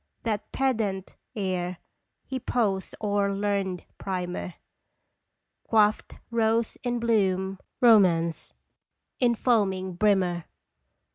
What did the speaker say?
That pedant ere he posed o'er learned primer, Quaffed Rose In Bloom romance in foaming brimmer!